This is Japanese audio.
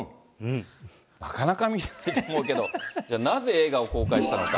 なかなか見れないと思うけど、なぜ映画を公開したのか。